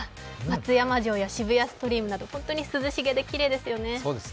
松山城や渋谷ストリームなど本当にきれいですよね。